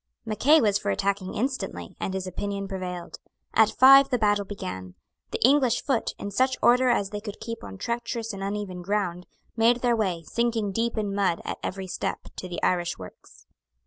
Mackay was for attacking instantly; and his opinion prevailed. At five the battle began. The English foot, in such order as they could keep on treacherous and uneven ground, made their way, sinking deep in mud at every step, to the Irish works.